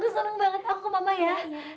aku senang banget aku ke mama ya